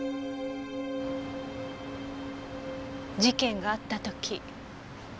事件があった時。